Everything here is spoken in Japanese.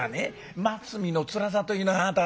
待つ身のつらさというのをあなた方。